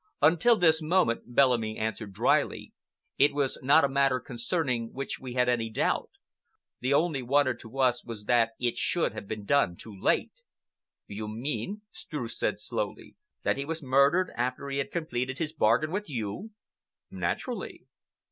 "Until this moment," Bellamy answered dryly, "it was not a matter concerning which we had any doubt. The only wonder to us was that it should have been done too late." "You mean," Streuss said slowly, "that he was murdered after he had completed his bargain with you?" "Naturally."